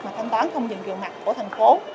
mà thanh toán không dừng mặt của thành phố